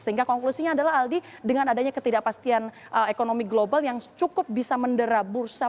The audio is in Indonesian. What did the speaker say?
sehingga konklusinya adalah aldi dengan adanya ketidakpastian ekonomi global yang cukup bisa mendera bursa